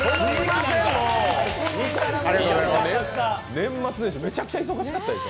年末年始、めちゃくちゃ忙しかったでしょ？